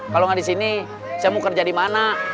kalau nggak di sini saya mau kerja di mana